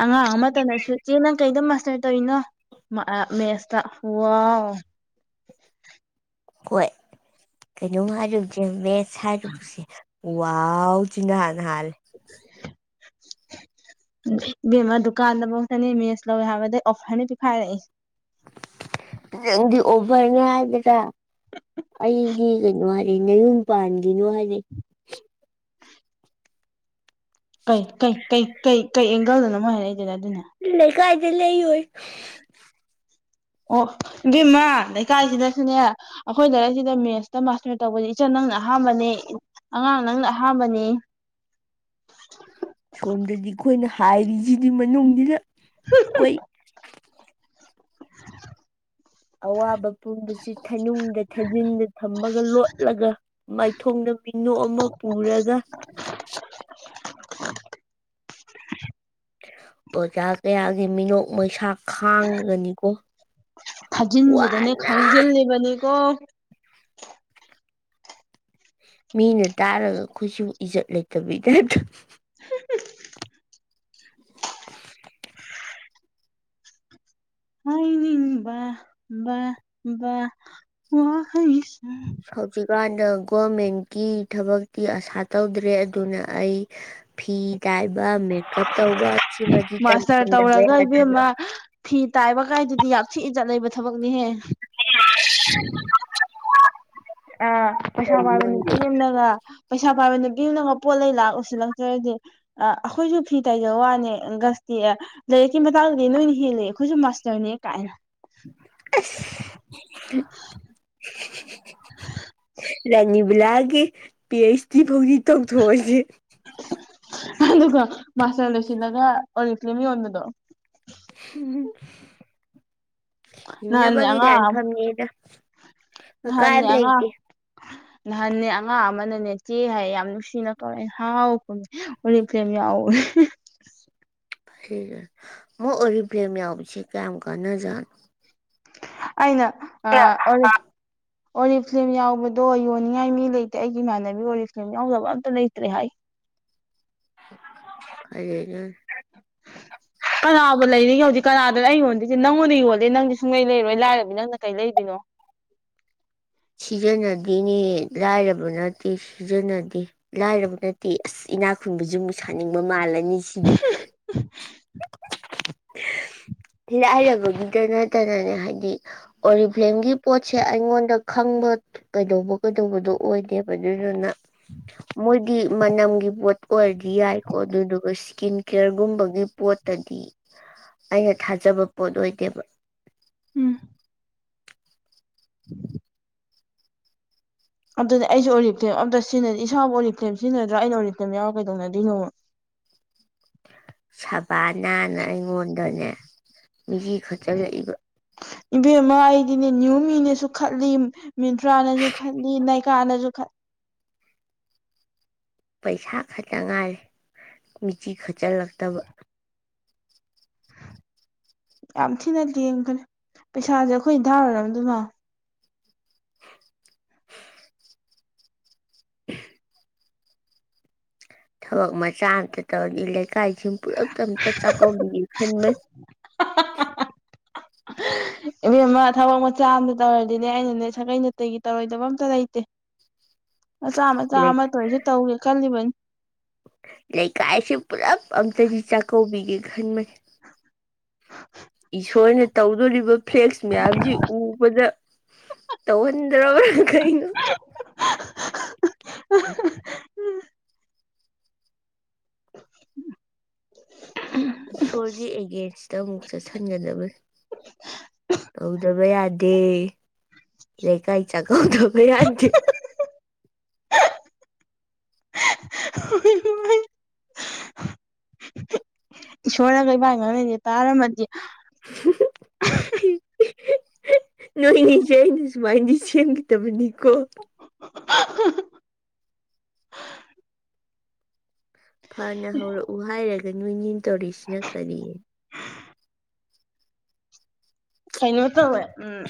ꯑꯉꯥꯡ ꯑꯃꯇꯗꯁꯨ ꯏꯆꯦ ꯅꯪ ꯀꯩꯗ ꯃꯥꯁꯇꯔ ꯇꯧꯔꯤꯅꯣ ꯃꯦꯁꯇ ꯋꯥꯎ ꯍꯣꯏ ꯀꯩꯅꯣꯝ ꯍꯥꯏꯔꯨꯁꯦ ꯃꯦꯁ ꯍꯥꯏꯔꯨꯕꯁꯦ ꯋꯥꯎꯖꯤꯅ ꯍꯥꯟꯅ ꯍꯥꯜꯂꯦ [inaudible] ꯏꯕꯦꯝꯃ ꯗꯨꯀꯥꯟꯗꯐꯥꯎꯛꯇꯅꯤ ꯃꯦꯁ ꯂꯧꯋꯦ ꯍꯥꯏꯕꯗ ꯑꯩ ꯑꯣꯐꯔꯅ ꯄꯤꯈꯥꯏꯔꯛꯏ ꯍ ꯅꯪꯗꯤ ꯑꯣꯕꯔꯅꯦ ꯍꯥꯏꯕꯦꯗ ꯑꯩꯒꯤ ꯀꯩꯅꯣ ꯍꯥꯏꯔ ꯅꯌꯨꯝꯄꯥꯟꯒꯤꯅꯣ ꯍꯥꯏꯔꯛꯢ ꯀꯩꯩ ꯀꯩ ꯀꯩ ꯑꯦꯡꯒꯜꯗꯅꯣ ꯃꯣꯢ ꯍꯥꯏꯔꯛꯏꯗꯨꯅ ꯑꯗꯨꯅ ꯗꯤ ꯂꯩ ꯑꯣꯏ [inaudible] ꯑꯣ ꯏꯕꯦꯝꯃꯥ ꯂꯩꯀꯥꯏꯁꯤꯗꯁꯨꯅꯦ ꯑꯩꯈꯣꯏ ꯂꯥꯏꯔꯤꯛꯁꯤꯗ ꯃꯦꯠꯁꯇ ꯃꯥꯁꯇꯔ ꯇꯧꯕꯁꯤ ꯏꯆꯟ ꯅꯪꯅ ꯑꯍꯥꯥꯟꯕꯅꯤ ꯑꯉꯥꯡ ꯅꯪꯅ ꯑꯍꯥꯝꯕꯅꯤ ꯁꯣꯝꯗꯗꯤ ꯑꯩꯈꯣꯏꯅ ꯍꯥꯏꯔꯤꯁꯤꯗꯤ ꯃꯅꯨꯡꯁꯤꯗ ꯑꯩꯈꯣꯏ ꯑꯋꯥꯕ ꯄꯨꯨꯝꯕꯁꯤ ꯊꯅꯨꯡꯗ ꯊꯥꯖꯤꯟꯗ ꯊꯝꯃꯒ ꯂꯣꯠꯂꯒ ꯃꯥꯏꯊꯣꯡꯗ ꯃꯤꯅꯣꯛ ꯑꯃ ꯄꯨꯔꯒ [inaudible] ꯑꯣꯖꯥ ꯀꯌꯥꯒꯤ ꯃꯤꯅꯣꯛ ꯃꯩꯁꯥ ꯈꯥꯡꯉꯒꯅꯤꯀꯣ ꯈꯥꯖꯤꯟꯁꯤꯗꯅꯦ ꯋꯥꯅ ꯈꯪꯖꯤꯜꯂꯤꯕꯅꯤꯀꯣ ꯃꯤꯅ ꯇꯥꯔꯒ ꯑꯩꯈꯣꯏꯁꯨ ꯏꯖꯠ ꯂꯩꯇꯕꯤꯗ ꯍꯍ ꯍꯥꯏꯅꯤꯡꯕ ꯕ ꯕ ꯋꯥꯍꯩꯁꯦ ꯍꯧꯖꯤꯛꯀꯥꯟꯗ ꯒꯣꯔꯃꯦꯟꯀꯤ ꯊꯕꯛꯇꯤ ꯑꯁꯥ ꯇꯧꯗ꯭ꯔꯦ ꯑꯗꯨꯅ ꯑꯩ ꯐꯤ ꯇꯥꯏꯕ ꯃꯦꯀꯞ ꯇꯧꯕ ꯁꯤꯃꯗꯤ ꯃꯥꯁꯇꯔ ꯇꯝꯗꯕ ꯇꯧꯔꯒ ꯌꯥꯗꯕ ꯏꯕꯦꯝꯃ ꯐꯤ ꯇꯥꯏꯕ ꯀꯥꯏꯗꯨꯗꯤ ꯌꯥꯝ ꯊꯤ ꯏꯖꯠ ꯂꯩꯕ ꯊꯕꯛꯅꯤꯍꯦ ꯑ ꯄꯩꯁꯥꯕꯥꯢꯕ ꯀꯩꯅꯣꯅꯦ ꯅꯨꯄꯤ ꯑꯃꯅꯒ ꯄꯩꯁꯥ ꯄꯥꯏꯕ ꯅꯨꯄꯤ ꯑꯃꯅꯒ ꯄꯣꯠꯂ ꯂꯥꯛꯂꯨ ꯁꯤꯜꯂꯛꯇꯔꯗꯤ ꯑꯩꯈꯣꯏꯁꯨ ꯐꯤ ꯇꯥꯏꯖꯕ ꯋꯥꯅꯤ ꯒꯁ ꯑꯦ ꯂꯥꯏꯔꯤꯛꯀꯤ ꯃꯇꯥꯡꯗꯗꯤ ꯅꯣꯏꯅ ꯍꯦꯜꯂꯤ ꯑꯩꯈꯣꯏꯁꯨ ꯃꯥꯁꯇꯔꯅꯦ ꯀꯥꯏꯅ ꯑꯁ ꯔꯥꯅꯤꯕꯨ ꯂꯥꯛꯑꯒꯦ ꯄꯤ ꯑꯩꯆ ꯗꯤ ꯐꯥꯎꯗꯤ ꯇꯧꯊꯣꯛꯑꯁꯦ ꯑꯗꯨꯒ ꯃꯥꯁꯇꯔ ꯂꯣꯏꯁꯤꯜꯂꯒ ꯑꯣꯂꯤꯐ꯭ꯂꯦꯝ ꯌꯣꯟꯕꯗꯣ ꯅꯍꯥꯟꯅꯦ ꯍꯤꯡꯅꯕꯒꯤ ꯑꯉꯥꯡ ꯑꯃ ꯂꯥꯟꯐꯝꯅꯤꯗ ꯅꯍꯥꯟꯅꯦ ꯑꯀꯥꯢꯕ ꯑꯉꯥꯡ ꯂꯩꯇꯦ ꯅꯍꯥꯟꯅꯦ ꯑꯉꯥꯡ ꯑꯃꯅꯅꯦ ꯆꯦ ꯍꯥꯏꯌꯦ ꯌꯥꯝ ꯅꯨꯡꯁꯤꯅ ꯀꯧꯔꯛꯑꯦ ꯍꯥꯎꯅ ꯈꯨꯝꯃꯦ ꯑꯣꯔꯤꯐ꯭ꯂꯦꯝ ꯌꯥꯎ ꯍ ꯃꯣ ꯑꯣꯔꯤꯕ꯭ꯂꯦꯝ ꯌꯥꯎꯕꯁꯤ ꯀꯌꯥꯝ ꯀꯥꯟꯅꯖꯥꯠꯅꯣ ꯑꯩꯅ ꯑ ꯑꯣꯔꯦ ꯑꯣꯔꯤ ꯐ꯭ꯂꯦꯝ ꯌꯥꯎꯕꯗꯣ ꯌꯣꯟꯅꯤꯡꯉꯥꯏ ꯃꯤ ꯂꯩꯇꯦ ꯑꯩꯒꯤ ꯏꯃꯥꯟꯅꯕꯤ ꯑꯣꯔꯤ ꯐ꯭ꯂꯦꯝ ꯌꯥꯎꯗꯕ ꯑꯝꯇ ꯂꯩꯇ꯭ꯔꯦ ꯍꯥꯏ ꯀꯔꯤꯅꯣ ꯀꯅꯥꯕꯨ ꯂꯩꯔꯤꯒꯦ ꯍꯧꯖꯤꯛ ꯀꯅꯥꯗ ꯂꯩ ꯌꯣꯟꯗꯤ ꯁꯤ ꯅꯪꯉꯣꯟꯗ ꯌꯣꯜꯂꯦ ꯅꯪꯗꯤ ꯁꯨꯡꯂꯩ ꯂꯩꯔꯣꯏ ꯂꯥꯏꯔꯕ ꯅꯪꯅ ꯀꯩ ꯂꯩꯗꯣꯏꯅꯣ ꯁꯤꯖꯤꯟꯅꯗꯦꯅꯦ ꯂꯥꯏꯔꯕ ꯅꯠꯇꯦ ꯁꯤꯖꯤꯟꯅꯗꯦ ꯂꯥꯏꯔꯕ ꯅꯠꯇꯦ ꯑꯁ ꯏꯅꯥꯛ ꯈꯨ ꯑꯃꯨꯛ ꯁꯥꯅꯤꯡꯕ ꯃꯥꯜꯂꯅꯤ ꯁꯤꯗꯤ ꯁꯤꯗ ꯂꯥꯏꯔꯕꯒꯤꯗ ꯅꯠꯇꯅꯅꯦ ꯍꯥꯏꯗꯤ ꯑꯣꯂꯤꯐ꯭ꯂꯦꯝꯒꯤ ꯄꯣꯠ ꯁꯦ ꯑꯩꯉꯣꯟꯗ ꯈꯪꯕ ꯀꯩꯗꯧꯕ ꯀꯩꯗꯧꯕꯗꯣ ꯑꯣꯏꯗꯦꯕ ꯑꯗꯨꯗꯨꯅ ꯃꯣꯏꯗꯤ ꯃꯅꯝꯒꯤ ꯄꯣꯠ ꯑꯣꯏꯔꯗꯤ ꯌꯥꯏꯀꯣ ꯑꯗꯨꯗꯨꯒ ꯏꯁꯀꯤꯟ ꯀꯦꯌꯔꯒꯨꯝꯕꯒꯤ ꯄꯣꯠꯇꯗꯤ ꯑꯩꯅ ꯊꯥꯖꯕ ꯄꯣꯠ ꯑꯣꯏꯗꯦꯕ ꯎꯝ ꯎꯝ ꯑꯝꯅꯤ ꯑꯩꯁꯨ ꯑꯣꯔꯤꯞꯇꯦꯝ ꯑꯝꯇ ꯁꯤꯖꯤꯟꯅ ꯏꯁꯥꯕꯨ ꯑꯣꯔꯤꯞꯊꯦꯝ ꯁꯤꯖꯤꯟꯅꯗ꯭ꯔꯥ ꯑꯩꯅ ꯑꯣꯔꯤꯞꯇꯦꯝ ꯌꯥꯎꯔꯒ ꯀꯩꯗꯧꯅꯗꯣꯏꯅꯣ [inaudible] ꯁꯕꯥꯅꯥꯅ ꯑꯩꯉꯣꯟꯗꯅꯦ ꯃꯤꯁꯤ ꯈꯛꯇꯂꯛꯏꯕ ꯏꯕꯦꯝ ꯑꯃ ꯑꯩꯗꯤꯅꯦ ꯅꯤꯌꯨꯃꯤꯅꯁꯨ ꯈꯠꯂꯤ ꯃꯤꯟꯇ꯭ꯔꯥꯅꯁꯨ ꯈꯠꯂꯤ ꯅꯥꯏꯀꯥꯅꯁꯨ ꯈꯂꯤ ꯄꯩꯁꯥ ꯈꯛꯇ ꯉꯥꯏꯔꯦ ꯃꯤꯆꯤ ꯈꯠꯆꯤꯜꯂꯛꯇꯕ ꯌꯥꯝ ꯊꯤꯅ ꯂꯦꯒꯔꯦ ꯄꯩꯁꯥꯁꯦ ꯑꯩꯈꯣꯏ ꯊꯥꯔ ꯑꯣꯢꯔꯝꯗꯧ ꯃꯥꯂꯦ ꯑꯍ ꯊꯕꯛ ꯃꯆꯥꯥꯇ ꯇꯧꯔꯗꯤ ꯂꯩꯀꯥꯏꯁꯤ ꯄꯨꯔ ꯆꯥꯛꯀ ꯈꯟꯃꯦ ꯍꯥꯍꯥꯍꯥꯍꯥ ꯏꯕꯦꯝꯃ ꯊꯕꯛ ꯃꯆꯥ ꯑꯃꯝꯗ ꯇꯧꯔꯗꯤꯅꯦ ꯑꯩꯅꯅꯦ ꯁꯥꯒꯩ ꯅꯥꯇꯩꯒꯤ ꯇꯧꯔꯣꯏꯗꯕ ꯑꯝꯇ ꯂꯩꯇꯦ ꯃꯆꯥ ꯃꯆꯥ ꯑꯃꯇꯁꯨ ꯇꯧꯒꯦ ꯈꯜꯂꯤꯕꯅꯤ ꯂꯩꯀꯥꯏꯁꯦ ꯄꯨꯜꯂꯞ ꯑꯝꯇꯗꯤ ꯆꯥꯛꯀꯧꯕꯤꯒꯦ ꯈꯟꯕꯅꯤ ꯏꯁꯣꯔꯅ ꯇꯧꯗꯣꯔꯤꯕ ꯐ꯭ꯂꯦꯛꯁ ꯃꯌꯥꯝꯁꯤ ꯎꯕꯗ ꯇꯧꯍꯟꯗ꯭ꯔꯕ꯭ꯔꯥ ꯀꯩꯅꯣ ꯑꯍ ꯑꯍ ꯑꯍ ꯑꯍ ꯎꯝ ꯎ ꯏꯁꯣꯔꯒꯤ ꯑꯦꯒꯦꯟꯁꯇ ꯑꯃꯨꯛ ꯆꯠꯁꯤꯟꯒꯗꯕꯅꯤ ꯇꯧꯗꯕ ꯌꯥꯗꯦ ꯂꯩꯀꯥꯏ ꯆꯥꯛ ꯑꯣꯛ ꯊꯣꯡꯒꯦ ꯌꯥꯗꯦ ꯑꯣꯢꯃꯥ ꯏꯁꯣꯔꯅꯒ ꯏꯕꯥꯅꯤ ꯉꯥꯡꯅꯩꯖꯦ ꯇꯥꯔꯃꯗꯤ ꯍꯨꯍꯨꯍꯨ ꯍꯤ ꯅꯣꯏꯅꯦꯁꯦ ꯑꯩꯅ ꯁꯨꯃꯥꯏꯅꯗꯤ ꯁꯦꯝꯈꯤꯗꯕꯅꯤꯀꯣ ꯍꯥ ꯍꯥ ꯍꯥ ꯐꯅ ꯍꯧꯔꯛꯎ ꯍꯥꯏꯔꯒ ꯅꯣꯏꯅꯤꯅ ꯇꯧꯔꯤꯁꯤꯅ ꯀꯔꯤ ꯀꯩꯅꯣꯇꯧꯋꯦ ꯎꯝ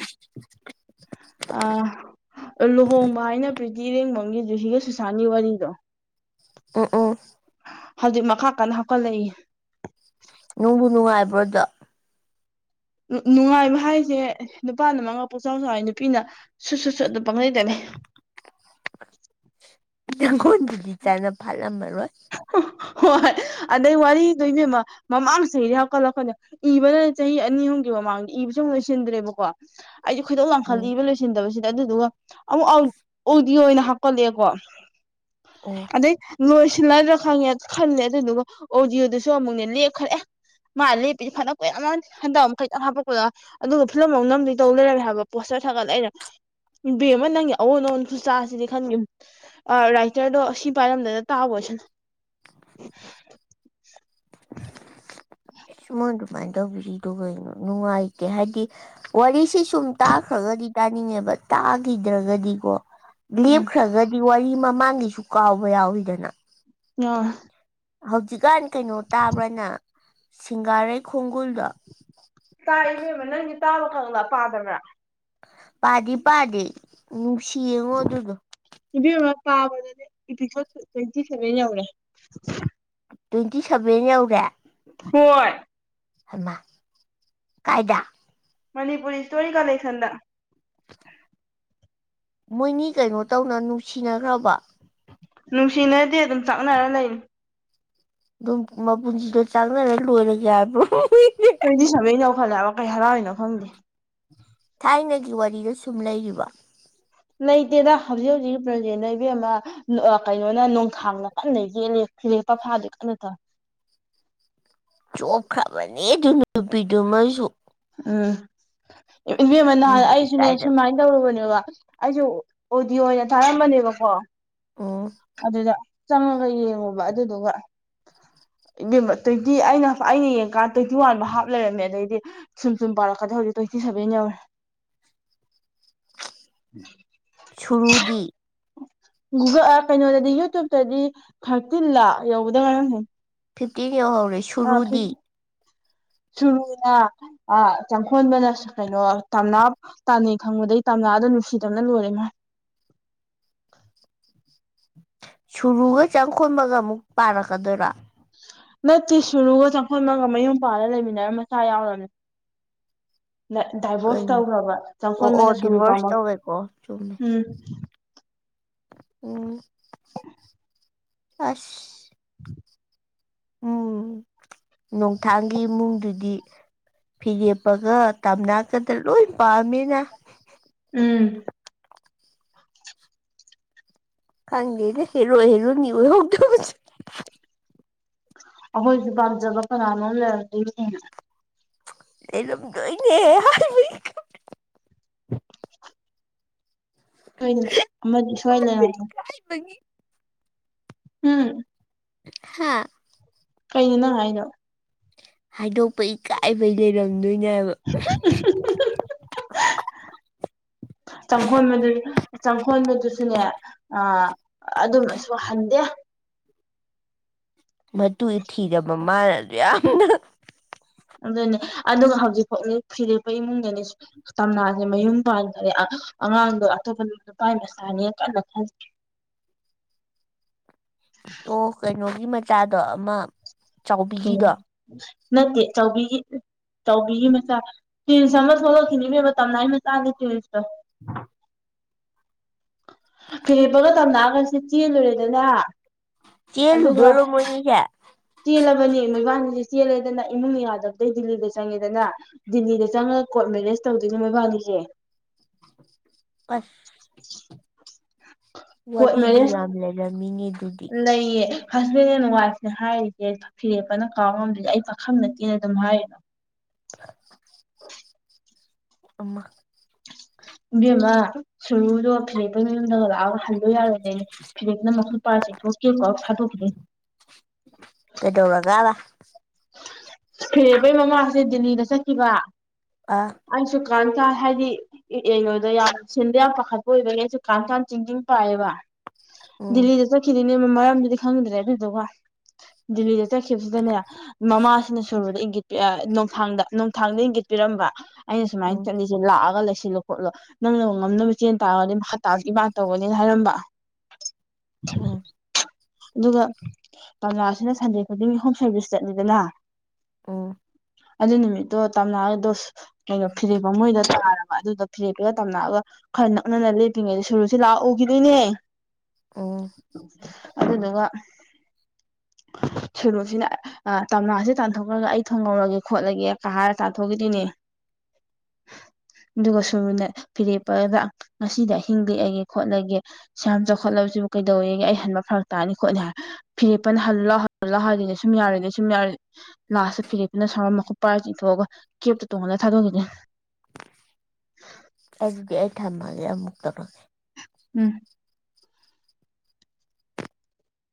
ꯑ ꯂꯨꯍꯣꯡꯕ ꯍꯥꯏꯅ ꯄ꯭ꯔꯤꯇꯤ ꯏꯔꯦꯡꯐꯝꯒꯤꯗꯨ ꯁꯤꯒ ꯁꯨꯁꯥꯟꯒꯤ ꯋꯥꯔꯤꯗꯣ ꯑ ꯎꯝ ꯍꯧꯖꯤꯛ ꯃꯈꯥ ꯀꯟꯅ ꯍꯥꯞꯀꯠꯂꯛꯏ ꯅꯨꯡꯕꯨ ꯅꯨꯡꯉꯥꯏꯕ꯭ꯔꯣꯗ ꯅꯨꯡꯉꯥꯏꯕ ꯍꯥꯏꯁꯦ ꯅꯨꯄꯥꯅ ꯃꯉꯥ ꯄꯣꯛꯆꯥꯎ ꯆꯥꯎꯥꯎ ꯅꯨꯄꯤꯅ ꯁꯨꯠ ꯁꯨꯠꯁꯨꯠ ꯑꯗꯨꯝ ꯄꯪꯅꯩꯇꯅꯤ [inaudible] ꯅꯪꯒꯣꯜꯗꯨꯗꯤ ꯆꯥꯅ ꯐꯥꯠꯂꯝꯃꯔꯣꯏ ꯍꯣꯏ ꯑꯗꯩ ꯋꯥꯔꯤꯗꯣ ꯏꯕꯦꯝꯃ ꯃꯃꯥꯡꯁꯨ ꯏꯔ ꯍꯧꯀꯠꯂꯛꯈꯠꯗ ꯏꯕꯅꯅ ꯆꯍꯤ ꯑꯅꯤ ꯑꯍꯨꯝꯒꯤ ꯃꯃꯥꯡꯗ ꯏꯕꯁꯨ ꯂꯣꯏꯁꯤꯟꯗ꯭ꯔꯦꯕꯀꯣ ꯑꯩꯁꯦ ꯈꯣꯏꯗꯧ ꯎꯝ ꯂꯥꯡꯈꯠꯂꯛꯏꯕ ꯂꯣꯏꯁꯤꯟꯗꯕꯁꯤꯗ ꯑꯗꯨꯗꯨꯒ ꯑꯃꯨꯛ ꯑꯣꯏꯅ ꯍꯥꯞꯀꯠꯂꯛꯑꯦꯀꯣ ꯑꯣ ꯑꯗꯩ ꯂꯣꯏꯁꯤꯜꯂ ꯈꯪꯉꯦ ꯈꯜꯂꯦ ꯑꯗꯨꯗꯨꯒ ꯑꯣꯗꯤꯑꯣꯗꯨꯁꯨ ꯑꯃꯨꯛꯅꯦ ꯂꯦꯛꯈ꯭ꯔꯦ ꯃꯥ ꯂꯦꯞꯄꯗꯤ ꯐꯅ ꯀꯨꯏꯔꯝꯃꯅꯤ ꯍꯟꯊ ꯑꯃ ꯃꯈꯩꯇꯪ ꯍꯥꯞꯄꯛꯄꯗ ꯑꯗꯨꯒ ꯐꯤꯂꯝ ꯑꯃ ꯅꯝꯗꯤ ꯇꯧ ꯂꯩꯔꯝꯃꯦ ꯍꯥꯏꯕ ꯄꯣꯁ ꯁꯥꯒꯠꯂꯩꯅ ꯏꯕꯦꯝꯃ ꯅꯪꯒꯤ ꯑꯑꯣꯟ ꯑꯑꯣꯟ ꯈꯨꯆꯁꯤꯗꯤ ꯈꯟꯗꯦ ꯑꯥ ꯔꯥꯏꯇꯔꯗꯣ ꯁꯤ ꯄꯥꯏꯔꯝꯗꯅ ꯇꯥꯛꯎꯔꯁꯥꯅꯨ꯫ [inaudible] [unintelligible] ꯃꯥꯟꯑꯗꯨꯃꯥꯏꯅ ꯇꯧꯕꯤꯔꯤꯗꯨ ꯀꯩꯒꯤꯅꯣ ꯅꯨꯡꯉꯥꯏꯇꯦ ꯍꯥꯏꯗꯤ ꯋꯥꯔꯤꯁꯤ ꯁꯨꯝ ꯇꯥꯈ꯭ꯔꯒꯗꯤ꯫ ꯇꯥꯅꯤꯡꯉꯦꯕ ꯇꯥꯈꯤꯗ꯭ꯔꯒꯗꯤꯀꯣ ꯎꯝ ꯂꯦꯞꯈ꯭ꯔꯒꯗꯤ ꯋꯥꯔꯤ ꯃꯃꯥꯡꯒꯤꯁꯨ ꯀꯥꯎꯕ ꯌꯥꯎꯋꯤꯗꯅ꯫ ꯌꯥꯎꯏ꯫ ꯍꯧꯖꯤꯛꯀꯥꯟ ꯀꯩꯅꯣ ꯇꯥꯕ꯭ꯔꯅ ꯅꯡ ꯁꯤꯡꯒꯥꯔꯩꯈꯣꯡ ꯇꯥꯏꯌꯦ ꯏꯕꯦꯝꯃ ꯅꯪꯗꯤ ꯇꯥꯕ ꯈꯪ ꯄꯥꯗꯕ꯭ꯔ꯫ ꯄꯥꯗꯤ ꯄꯥꯗꯤ ꯅꯨꯡꯁꯤꯌꯦꯉꯣ ꯑꯗꯨꯗꯣ꯫ ꯄꯥꯕꯎ ꯑꯗꯨꯗꯤ ꯏꯄꯤꯁꯣꯠ ꯇꯣꯋꯦꯟꯇꯤ ꯁꯚꯦꯟ ꯌꯧꯔꯦ꯫ ꯇꯣꯋꯦꯟꯇꯤ ꯁꯚꯦꯟ ꯌꯥꯧꯔꯦ꯫ ꯍꯣꯏ ꯍꯩꯃ ꯀꯥꯏꯗ꯫ ꯃꯅꯤꯄꯨꯔꯤ ꯏꯁꯇꯣꯔꯤ ꯀꯂꯦꯛꯁꯟꯗ꯫ ꯃꯣꯏꯅꯤ ꯀꯩꯅꯣ ꯇꯧꯅ ꯅꯨꯡꯁꯤꯅꯈ꯭ꯔꯕꯣ꯫ ꯅꯨꯡꯁꯤꯅꯗꯦ ꯑꯗꯨꯝ ꯆꯥꯛꯅꯔ ꯂꯩꯅꯤ꯫ ꯑꯗꯨꯝ ꯃꯄꯨꯟꯁꯤꯗꯣ ꯆꯥꯡꯅꯔ ꯂꯣꯏꯔꯒꯦ ꯍꯥꯏꯕ꯭ꯔꯣ꯫ ꯃꯣꯏꯅꯤ ꯐꯂꯦꯕ ꯀꯩ ꯍꯔꯥꯎꯔꯤꯅꯣ ꯈꯪꯗꯦ꯫ ꯊꯥꯏꯅꯒꯤ ꯋꯥꯔꯤꯗ ꯁꯨꯝ ꯂꯩꯔꯤꯕꯣ꯫ ꯂꯩꯇꯦꯗ ꯍꯧꯖꯤꯛ ꯍꯧꯖꯤꯛ ꯄ꯭ꯔꯖꯦꯟꯗ ꯏꯕꯦꯝꯃ ꯑꯥ ꯀꯩꯅꯣꯅ ꯅꯣꯡꯊꯥꯡꯅ ꯀꯟꯅ ꯌꯦꯠꯂꯤ꯫ [unintelligible] ꯆꯣꯞꯈ꯭ꯔꯕꯅꯤ ꯗꯨ ꯄꯤꯗꯨ ꯃꯁꯨ꯫ ꯎꯝ ꯏꯕꯦꯝꯃ ꯅꯍꯥꯟ ꯑꯩꯁꯨꯅꯦ ꯁꯨꯃꯥꯏꯅ ꯇꯧꯔꯨꯕꯅꯦꯕ ꯑꯩꯁꯨ ꯑꯣꯗꯤꯌꯣ ꯑꯣꯏꯅ ꯊꯥꯔꯝꯕꯅꯦꯕꯀꯣ ꯎꯝ ꯑꯗꯨꯗ ꯆꯪꯉꯒ ꯌꯦꯡꯉꯨꯕ ꯑꯗꯨꯗꯨꯒ ꯏꯕꯦꯝꯃ ꯇꯣꯋꯦꯟꯇꯤ ꯑꯩꯅ ꯑꯩꯅ ꯌꯦꯡꯀꯥꯟꯗ ꯇꯣꯋꯦꯟꯇꯤ ꯋꯥꯟꯕꯥꯎ ꯍꯥꯞ ꯂꯩꯔꯝꯃꯦ ꯑꯗꯩꯗꯤ ꯁꯨꯝ ꯁꯨꯝ ꯄꯥꯔꯛꯀꯗ ꯍꯧꯖꯤꯛ ꯇꯣꯋꯦꯟꯇꯤ ꯁꯚꯦꯟ ꯌꯧꯔꯦ꯫ ꯁꯨꯔꯨꯗꯤ꯫ ꯒꯨꯒꯜ ꯑꯥ ꯀꯩꯅꯣꯗꯗꯤ ꯌꯨꯇꯨꯞꯕꯇꯗꯤ ꯊꯥꯔꯇꯤꯟ ꯂꯥ ꯌꯧꯕꯗ ꯉꯥꯏꯈꯤꯅꯤ꯫ ꯐꯤꯞꯇꯤꯟ ꯌꯧꯍꯧꯔꯦ ꯁꯨꯔꯨꯗꯤ꯫ ꯁꯨꯔꯨꯅ ꯑꯥ ꯆꯪꯈꯣꯟꯕꯅ ꯀꯩꯅꯣ ꯇꯝꯅꯥ ꯇꯥꯅꯩ ꯈꯪꯕꯗꯒꯤ ꯇꯝꯅꯥꯗ ꯅꯨꯡꯁꯤꯗꯝꯅ ꯂꯣꯏꯔꯦ ꯏꯃꯥ꯫ ꯁꯨꯔꯨꯒ ꯆꯪꯈꯣꯕꯒ ꯑꯃꯨꯛ ꯄꯥꯔꯛꯀꯗꯣꯏꯔꯥ꯫ ꯅꯠꯇꯦ ꯁꯨꯔꯨꯒ ꯆꯪꯈꯣꯟꯕꯒ ꯃꯌꯨꯝ ꯄꯥꯜꯂ ꯂꯩꯃꯤꯟꯅꯔ ꯃꯆꯥ ꯌꯥꯎꯔꯝꯅꯤ꯫ ꯗꯥꯏꯚꯣꯔꯁ ꯀꯩꯅꯣ ꯇꯧꯈ꯭ꯔꯕ ꯑꯣ ꯑꯣ ꯆꯪꯈꯣꯟꯕꯅ ꯁꯨꯔꯨ ꯗꯤꯚꯣꯔꯁ ꯄꯥꯝꯃꯛ ꯇꯧꯋꯦꯀꯣ ꯎꯝ꯫ ꯑꯣ꯫ ꯑꯁ꯫ ꯎꯝ ꯅꯣꯡꯊꯥꯡꯒꯤ ꯏꯃꯨꯡꯗꯨꯗꯤ꯫ ꯐꯤꯔꯦꯞꯄꯒ ꯇꯝꯅꯥꯀꯗ ꯂꯣꯏ ꯄꯥꯝꯃꯤꯅꯦ꯫ ꯎꯝ꯫ ꯈꯪꯗꯦꯅꯦ ꯍꯦꯔꯣ ꯍꯤꯔꯣꯏꯅꯤ ꯑꯣꯏꯍꯧꯗꯕꯁꯦ꯫ ꯑꯩꯈꯣꯏꯁꯨ ꯄꯖꯕ ꯀꯅꯅꯣꯝ ꯂꯩꯔꯝꯗꯣꯏꯅꯤ꯫ ꯂꯩꯔꯝꯗꯣꯏꯅꯦ꯫ ꯑꯃꯗꯤ ꯁꯣꯏ ꯂꯩꯔꯝꯒꯅꯤ꯫ ꯎꯝ꯫ ꯍꯥꯥ꯫ ꯀꯩꯅꯅꯣ ꯉꯪ ꯍꯥꯏꯗꯣ꯫ ꯍꯥꯏꯗꯣꯛꯄ ꯏꯀꯥꯏꯕꯩ ꯂꯩꯔꯝꯗꯣꯏꯅꯦꯕ꯫ ꯆꯪꯐꯣꯟ ꯃꯗꯤ ꯆꯪꯈꯣꯟꯕꯗꯨꯁꯨꯅꯦ ꯑ ꯑꯗꯨꯝꯁꯨꯍꯟꯗꯦ ꯃꯇꯨ ꯏ ꯊꯤꯔꯕ ꯃꯥꯅ ꯑꯗꯨ ꯌꯥꯝꯅ ꯑꯗꯨꯅꯦ ꯑꯗꯨꯒ ꯍꯧꯖꯤꯛꯐꯥꯎꯗꯤ ꯐꯤꯔꯦꯞꯄ ꯏꯃꯨꯡꯗꯅꯤ ꯇꯝꯅꯥꯁꯦ ꯃꯌꯨꯝ ꯄꯥꯟꯈ꯭ꯔꯦ ꯑꯉꯥꯡꯗꯣ ꯑꯇꯣꯞꯄ ꯅꯨꯄꯥꯥꯏ ꯃꯆꯥꯅꯤꯅ ꯀꯟꯅ ꯈꯜꯂꯤ ꯑꯣ ꯀꯩꯅꯣꯒꯤ ꯃꯆꯥꯗꯣ ꯑꯃ ꯎꯝ ꯆꯥꯎꯕꯤꯒꯤꯗꯣ ꯅꯠꯇꯦ ꯆꯥꯎꯕꯤꯒꯤ ꯇꯧꯕꯤꯒꯤ ꯃꯆꯥ ꯇꯋꯔꯤꯁ ꯑꯃ ꯊꯣꯛꯂꯛꯈꯤꯅꯤꯅꯦꯕ ꯇꯝꯅꯥꯏ ꯃꯆꯥꯅꯦ ꯇ꯭ꯔꯤꯟꯁꯇꯣ ꯑ ꯐꯤꯔꯦꯞꯄꯒ ꯇꯝꯅꯑꯒꯁꯤ ꯆꯦꯜꯂꯨꯔꯦꯗꯅ ꯆꯦꯜꯗꯔꯣ ꯃꯅꯤꯒ ꯅꯦ ꯃꯣꯏꯕꯥꯅꯤꯁꯦ ꯆꯦꯜꯂꯦꯗꯅ ꯏꯃꯨꯡꯅ ꯌꯥꯗꯕꯗꯩ ꯗꯤꯜꯂꯤꯗ ꯆꯪꯉꯦꯗꯅ ꯗꯤꯜꯂꯤꯗ ꯆꯪꯉꯒ ꯀꯣꯔꯠ ꯃꯦꯖ ꯇꯧꯗꯅꯦ ꯃꯕꯥꯅꯤꯒꯦ ꯑꯁ ꯋꯥꯔꯤꯁ ꯌꯥꯝ ꯂꯩꯔꯝꯃꯤꯉꯤ ꯅꯌꯦ ꯍꯁꯕꯦꯟ ꯑꯦꯟ ꯋꯥꯏꯐꯅꯦ ꯍꯥꯏꯔꯤꯁꯦ ꯐꯤꯔꯦꯞꯄꯅ ꯀꯥꯎ ꯉꯝꯗ꯭ꯔꯗꯤꯦ ꯑꯩ ꯄꯥꯈꯝ ꯅꯠꯇꯦꯅ ꯑꯗꯨꯝ ꯍꯥꯏꯔꯤꯅ ꯑꯃ ꯏꯕꯦꯝꯃ ꯁꯨꯔꯨꯗꯣ ꯐꯤꯔꯦꯄꯒꯤ ꯌꯨꯝꯗꯒ ꯂꯥꯛꯑꯣꯒ ꯍꯟꯂꯣ ꯌꯥꯔꯣꯏ ꯐꯤꯔꯦꯅ ꯃꯈꯁꯨ ꯄꯁꯤꯦ ꯊꯣꯛꯣꯛꯀꯦꯀꯣ ꯊꯥꯗꯣꯛꯈꯤꯗꯦ ꯀ ꯗꯣꯔꯒꯥꯥ ꯑꯦꯕꯩ ꯃꯃꯥꯁꯦ ꯗꯗꯤꯜꯂꯤꯗ ꯆꯠꯈꯤꯕ ꯑꯥ ꯑꯩꯁꯨ ꯀ ꯀꯥꯟ ꯍꯥꯏꯗꯤ ꯀꯩꯅꯣꯗ ꯌꯥꯝ ꯁꯤꯟꯗ ꯌꯥꯝ ꯄꯥꯈꯠꯄ ꯑꯣꯏꯕꯅꯦꯁꯨ ꯀ ꯀꯥꯟ ꯆꯤꯡꯖꯤꯡ ꯄꯥꯏꯑꯦꯕ ꯎꯝ ꯗꯤꯜꯂꯤꯗ ꯆꯠꯈꯤꯗꯅꯦ ꯃꯔꯝꯗꯨꯗꯤ ꯈꯪꯗ꯭ꯔꯦ ꯑꯗꯨꯗꯨꯒ ꯗꯤꯜꯂꯤꯗ ꯆꯠꯈꯤꯕꯁꯤꯗꯅꯦ ꯃꯃꯥꯁꯤꯅ ꯁꯨꯔꯨꯗ ꯏꯪꯒꯤꯠ ꯄꯣꯡꯊꯥꯡꯗ ꯅꯨꯡꯊꯥꯡꯗ ꯏꯪꯒꯤꯠ ꯄꯤꯔꯝꯕ ꯑꯩꯅ ꯁꯨꯃꯥꯏꯅ ꯎꯝ ꯆꯠꯂꯤꯁꯦ ꯂꯥꯛꯑꯒ ꯁꯤꯜꯂꯣ ꯈꯣꯠꯂꯣ ꯅꯪꯅ ꯉꯝꯅꯕ ꯆꯦꯟ ꯇꯥꯔꯗꯤ ꯍꯇꯥ ꯏꯃꯥ ꯇꯧꯒꯅꯤꯅ ꯍꯥꯏꯔꯝꯕ ꯎꯝ ꯑꯗꯨꯒ ꯄꯥꯁꯤꯅ ꯁꯟꯗꯦ ꯈꯨꯗꯤꯡꯒꯤ ꯍꯣꯝ ꯁꯥꯔꯚꯤꯁ ꯆꯠꯂꯤꯗꯅ ꯎ ꯑꯗꯨ ꯅꯨꯃꯤꯠꯇꯣ ꯇꯝꯅꯥꯛꯗꯣ ꯀꯩꯅꯣ ꯐꯤꯔꯦꯞꯄ ꯃꯣꯏꯗ ꯇꯥꯔꯕ ꯑꯗꯨꯗ ꯐꯤꯔꯦꯞꯄꯒ ꯇꯝꯅꯥꯛꯑꯒ ꯈꯔ ꯅꯛꯅꯅ ꯂꯦꯇ꯭ꯔꯤꯉꯩꯗ ꯁꯨꯔꯨꯁꯦ ꯂꯥꯛꯎꯈꯤꯗꯣꯏꯅꯦ ꯎꯝ ꯑꯗꯨꯗꯨꯒ ꯁꯦꯔꯨꯁꯤꯅ ꯑ ꯇꯝꯅꯥꯁꯤꯦ ꯇꯥꯟꯊꯣꯛꯈ꯭ꯔꯒ ꯑꯩ ꯊꯣꯡꯍꯧꯔꯒꯦ ꯈꯣꯠꯂꯒꯦ ꯀ ꯍꯥꯏꯔ ꯇꯥꯟꯊꯣꯛꯈꯤꯗꯨꯣꯏꯅꯦ [unintelligible] ꯑꯗꯨꯒ ꯁꯨꯔꯨꯅ ꯐꯤꯔꯦꯞꯄꯗ ꯉꯁꯤꯗ ꯍꯤꯡ ꯂꯤꯦꯛꯛꯑꯒꯦ ꯈꯣꯠꯂꯒꯦ ꯁ ꯌꯥꯝ ꯆꯥꯎꯈꯠꯂ ꯁꯤꯕꯨ ꯀꯩꯗꯧꯋꯦ ꯑꯩ ꯍꯟꯕ ꯐꯔꯛ ꯇꯥꯅꯤ ꯈꯣꯠꯅꯤ ꯍꯥꯏ ꯐꯤꯔꯦꯄꯅ ꯍꯜ ꯂꯑꯣ ꯍꯜ ꯂꯥꯎꯑꯣ ꯍꯥꯏꯗꯣꯏꯅ ꯁꯨꯝ ꯌꯥꯔꯣꯏꯗ ꯁꯨꯝ ꯌꯥꯔꯦ ꯂꯥꯁꯇ ꯐꯤꯔꯦꯞꯇꯅ ꯁꯥꯎꯔ ꯃꯈꯨꯞ ꯄꯥꯏꯔ ꯏꯊꯣꯛꯑꯒ ꯀꯦꯞꯇ ꯇꯣꯡꯉꯅ ꯊꯥꯗꯣꯛꯈꯤꯅꯦ ꯑ ꯑꯦꯁ ꯕꯤ ꯑꯥꯏ ꯊꯝꯃꯒꯦ ꯑꯃꯨꯛ ꯇꯧꯔꯒꯦ ꯎꯝ